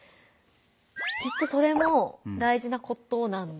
きっとそれも大事なことなんですけど